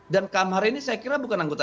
dan kamhar ini saya kira bukan anggota